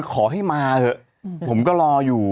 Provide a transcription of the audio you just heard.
ขอให้มาเถอะผมก็รออยู่